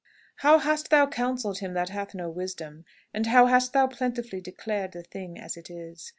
"How hast thou counselled him that hath no wisdom? And how hast thou plentifully declared the thing as it is?"